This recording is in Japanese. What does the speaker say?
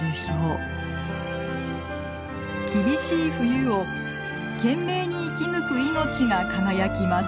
厳しい冬を懸命に生き抜く命が輝きます。